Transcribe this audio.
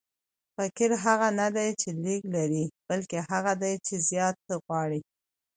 فقیر هغه نه دئ، چي لږ لري؛ بلکي هغه دئ، چي زیات غواړي.